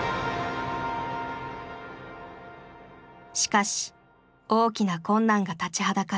しかし大きな困難が立ちはだかる。